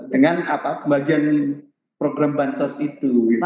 dengan pembagian program bansos itu